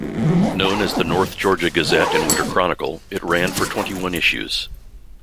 Known as the "North Georgia Gazette and Winter Chronicle", it ran for twenty-one issues.